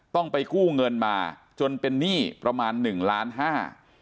ต้องไปกู้เงินมาจนเป็นหนี้ประมาณหนึ่งล้านห้า